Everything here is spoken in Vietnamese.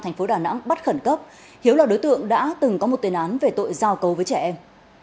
thành phố đà nẵng bắt khẩn cấp hiếu là đối tượng đã từng có một tên án về tội giao cấu với trẻ em